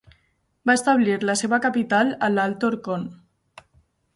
Va establir la seva capital a l'alt Orkhon.